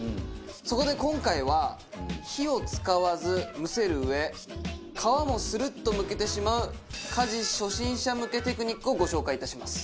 そこで今回は火を使わず蒸せるうえ皮もスルッとむけてしまう家事初心者向けテクニックをご紹介いたします。